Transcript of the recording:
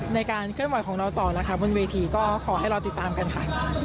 ในการเคลื่อนไหวของเราต่อนะคะบนเวทีก็ขอให้เราติดตามกันค่ะ